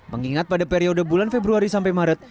mengingat pada periode bulan februari sampai maret